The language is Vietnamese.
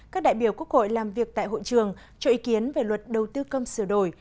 các đại biểu quốc hội làm việc tại hội trường cho ý kiến về luật đầu tư công sửa đổi